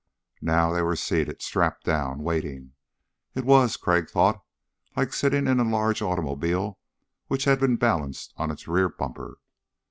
Now they were seated, strapped down, waiting. It was, Crag thought, like sitting in a large automobile which had been balanced on its rear bumper.